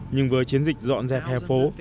nhưng với chiến dịch dọn dẹp hè phố